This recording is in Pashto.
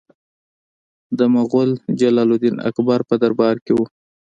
د مغول جلال الدین اکبر په دربار کې و.